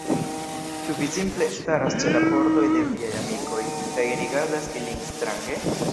Ĉu vi simple staras ĉe la pordoj de viaj amikoj, kaj rigardas ilin strange?